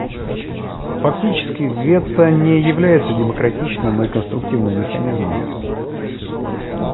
Фактически, вето не является демократичным и конструктивным механизмом.